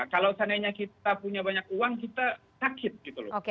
kalau seandainya kita punya banyak uang kita sakit gitu loh